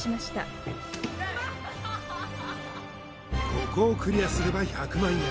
ここをクリアすれば１００万円